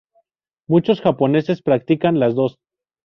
Muchos japoneses practican las dos.